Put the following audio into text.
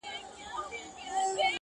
o داسي قبـاله مي په وجـود كي ده.